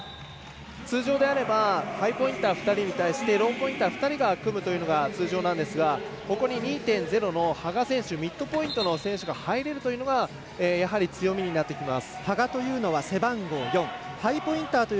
通常であればハイポインター２人に対してローポインター２人が組むというのが通常なんですがここで２．０のミッドポイントの選手が入れるというのがやはり強みになってきます。